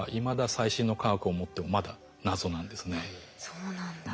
そうなんだ。